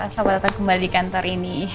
selamat datang kembali di kantor ini